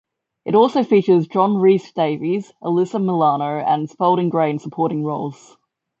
It also features John Rhys-Davies, Alyssa Milano, and Spalding Gray in supporting roles.